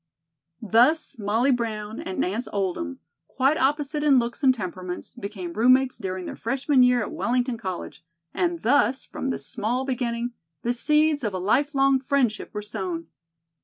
Thus Molly Brown and Nance Oldham, quite opposites in looks and temperaments, became roommates during their freshman year at Wellington College and thus, from this small beginning, the seeds of a life long friendship were sown.